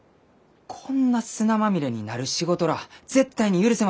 こんな砂まみれになる仕事らあ絶対に許せませんき。